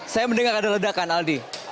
saya mendengar ada ledakan aldi